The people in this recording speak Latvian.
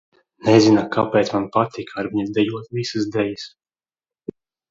Nezina, kāpēc man patika ar viņu dejot visas dejas.